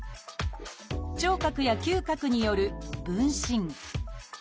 聴覚や嗅覚による「聞診」。